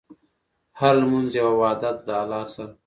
هره لمونځ یوه وعده ده د الله سره.